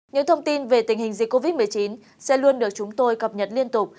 những thông tin về tình hình dịch covid một mươi chín sẽ luôn được chúng tôi cập nhật liên tục